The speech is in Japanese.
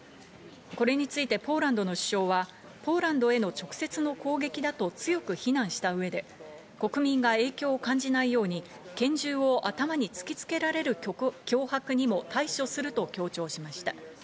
これについてポーランドの首相はポーランドへの直接の攻撃だと強く非難した上で、国民が影響を感じないように拳銃を頭に突きつけられる脅迫にも対処すると強調しました。